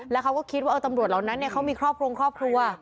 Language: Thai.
แล้วเขาก็คิดว่าตำรวจเหล่านั้นเขามีครอบครัวครอบครัว